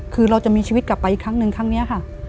คือเราจะมีชีวิตกลับไปอีกครั้งหนึ่งครั้งนี้ค่ะ